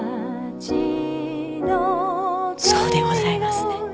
そうでございますね。